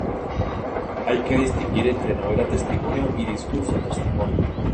Hay que distinguir entre novela testimonio y discurso testimonio.